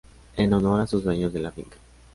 En honor a sus dueños de la finca.